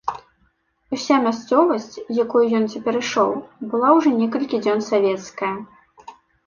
Уся мясцовасць, якою ён цяпер ішоў, была ўжо некалькі дзён савецкая.